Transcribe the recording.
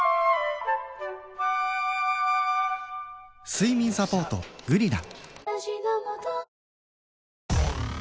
睡眠サポート「グリナ」